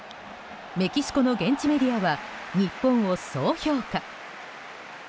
メキシコの現地メディアは日本をそう評価。